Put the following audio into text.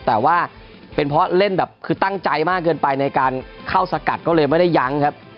แต่ว่าเป็นเพราะเล่นแบบคือตั้งใจมากเกินไปในการเข้าสกัดก็เลยไม่ได้ยั้งครับ